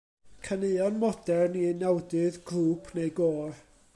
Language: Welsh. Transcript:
Caneuon modern i unawdydd, grŵp neu gôr.